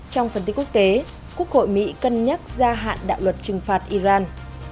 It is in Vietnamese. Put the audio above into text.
trong phần tiết quốc tế quốc hội mỹ cân nhắc gia hạn đạo luật trừng phạt iran